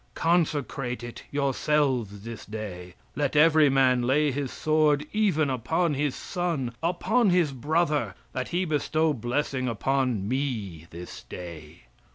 Consecrate it, yourselves this day. Let every man lay his sword even upon his son, upon his brother, that he bestow blessing upon Me this day."